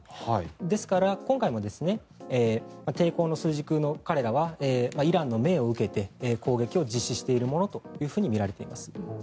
ですから、今回も抵抗の枢軸の彼らはイランの命を受けて攻撃を実施しているとみられています。